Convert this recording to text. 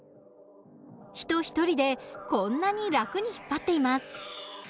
人一人でこんなに楽に引っ張っています。